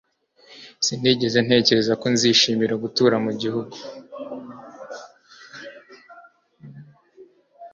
Sinigeze ntekereza ko nzishimira gutura mu gihugu.